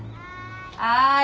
はい。